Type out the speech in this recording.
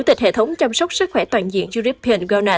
thành phố đà nẵng